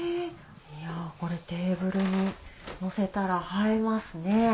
いやこれテーブルにのせたら映えますね。